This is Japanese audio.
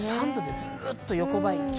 ３度でずっと横ばい。